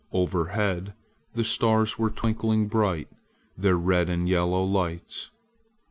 Overhead the stars were twinkling bright their red and yellow lights.